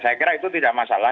saya kira itu tidak masalah